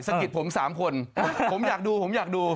กิดผม๓คนผมอยากดูผมอยากดู